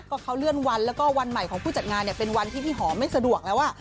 ก็เขาเลื่อนวันแล้วก็วันใหม่ของผู้จัดงานเนี่ยเป็นวันที่พี่หอมไม่สะดวกแล้ว